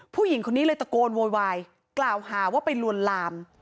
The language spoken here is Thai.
ผู้หญิงคนนี้เลยตะโกนโวยวายกล่าวหาว่าไปลวนลาม